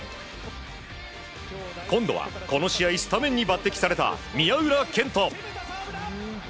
今度は、この試合スタメンに抜擢された宮浦健人。